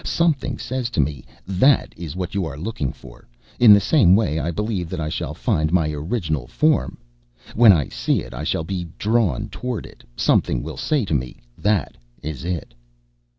Something says to me: 'That is what you are looking for.' In the same way I believe that I shall find my original form. When I see it, I shall be drawn towards it. Something will say to me: 'That is it.'"